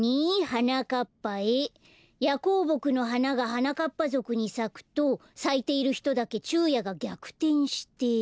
「はなかっぱへヤコウボクのはながはなかっぱぞくにさくとさいているひとだけちゅうやがぎゃくてんして」。